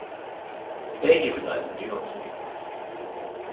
Today he resides in New York City.